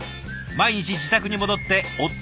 毎日自宅に戻って夫祐扶